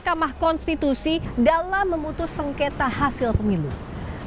dalam memutuskan kekuasaan yang tidak bisa diperlukan